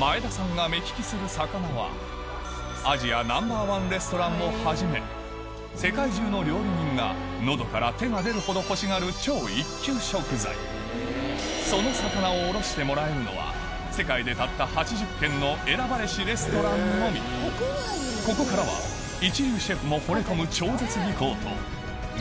前田さんが目利きする魚はアジアナンバーワンレストランをはじめ世界中の料理人が喉から手が出るほど欲しがるその魚を卸してもらえるのは世界でたった８０軒の選ばれしレストランのみここからはをご紹介